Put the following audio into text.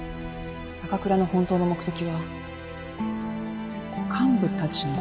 高倉の本当の目的は幹部たちの釈放じゃない！